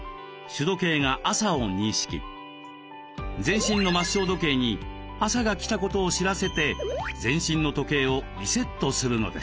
全身の末梢時計に朝が来たことを知らせて全身の時計をリセットするのです。